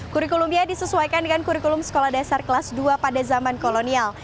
kurikulumnya disesuaikan dengan kurikulum sekolah dasar kelas dua pada zaman kolonial